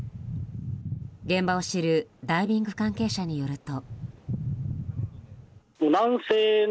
現場を知るダイビング関係者によると。